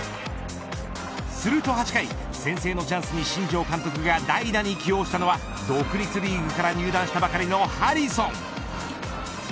すると８回、先制のチャンスに新庄監督が代打に起用したのは独立リーグから入団したばかりのハンソン。